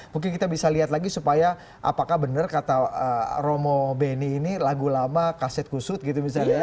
mungkin kita bisa lihat lagi supaya apakah benar kata romo beni ini lagu lama kaset kusut gitu misalnya ya